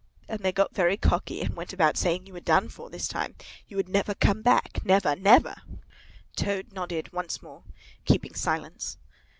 And they got very cocky, and went about saying you were done for this time! You would never come back again, never, never!" Toad nodded once more, keeping silence.